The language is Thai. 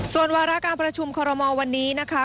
ส่วนวาระการประชุมคอรมอลวันนี้นะคะ